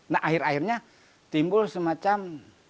nah akhir akhirnya timbul semacam